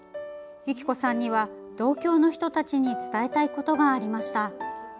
由起子さんには同郷の人たちに伝えたいことがありました。